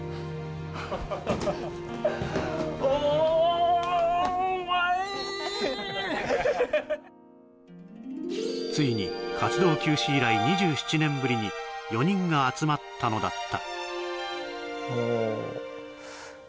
おおお前ついに活動休止以来２７年ぶりに４人が集まったのだった